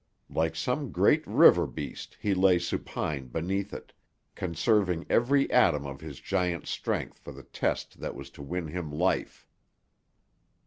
Like some great river beast he lay supine beneath it, conserving every atom of his giant's strength for the test that was to win him life.